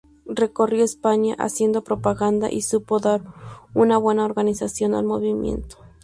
Recorrió España haciendo propaganda y supo dar una buena organización al movimiento.